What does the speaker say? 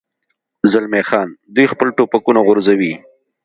زلمی خان: دوی خپل ټوپکونه غورځوي.